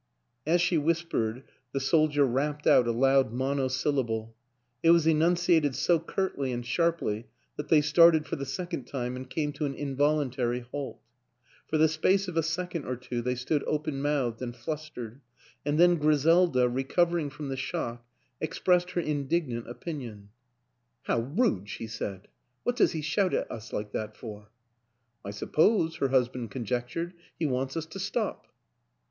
As she whispered the soldier rapped out a loud monosyllable; it was enunciated so curtly and sharply that they started for the second time and came to an involuntary halt. For the space of a second or two they stood open mouthed and flustered and then Griselda, recovering from the shock, expressed her indignant opinion. WILLIAM AN ENGLISHMAN 81 " How rude !" she said. " What does he shout at us like that for? "" I suppose," her husband conjectured, " he wants us to stop."